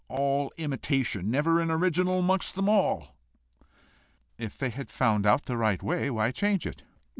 All imitation never an original amongst them all!" "If they had found out the right way, why change it?"